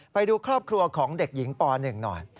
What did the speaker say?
ไปดูครอบครัวของเด็กหญิงป๑หน่อย